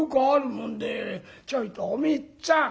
「ちょいとおみっつぁん。